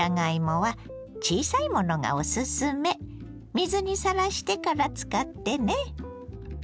水にさらしてから使ってね。